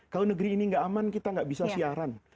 kalau negeri ini tidak aman kita tidak bisa siaran